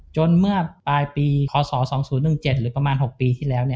เมื่อปลายปีพศ๒๐๑๗หรือประมาณ๖ปีที่แล้ว